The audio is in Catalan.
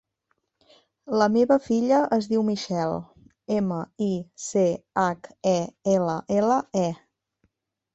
La meva filla es diu Michelle: ema, i, ce, hac, e, ela, ela, e.